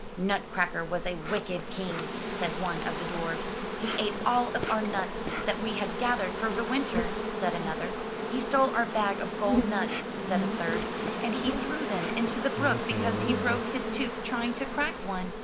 '^Nutcracker was a wicked king/' said one of the dwarfs. *'He ate all of our nuts that we had gathered for the winter/' said another. He stole our bag of gold nuts/' said a third, *'and he threw them into the brook because he broke his tooth trying to crack one."